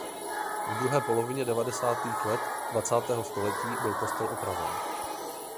Ve druhé polovině devadesátých let dvacátého století byl kostel opraven.